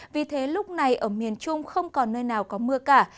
vì thế lúc này ở miền trung không còn nơi nào có mưa cả